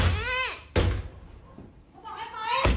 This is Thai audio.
เธอบอกให้เปิด